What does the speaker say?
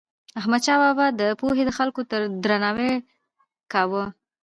احمدشاه بابا به د پوهې د خلکو ډېر درناوی کاوه.